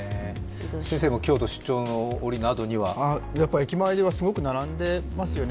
先生も京都出張の折などでは駅前ではすごいやっぱり並んでいますよね。